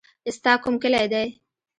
ستا کوم کلی دی.